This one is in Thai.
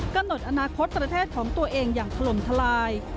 กำหนดอนาคตประเทศของตัวเองอย่างถล่มทลาย